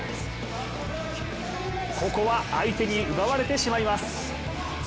ここは相手に奪われてしまいます。